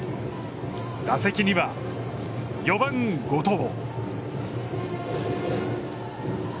打席には、４番後藤。